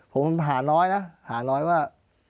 ผมหาน้อยนะหาน้อยว่า